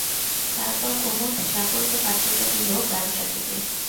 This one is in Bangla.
তারপর কুমুদ চাকরকে পাঠাইয়া দিল গাড়ি ডাকিতে।